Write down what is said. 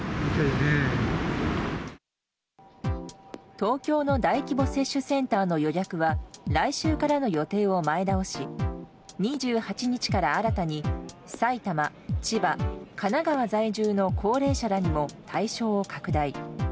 東京の大規模接種センターの予約は来週からの予定を前倒し２８日から新たに埼玉、千葉、神奈川在住の高齢者らにも対象を拡大。